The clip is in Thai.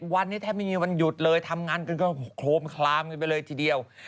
วันนี้แทบไม่มีวันหยุดเลยทำงานกันก็โครมคลามกันไปเลยทีเดียว